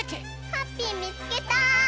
ハッピーみつけた！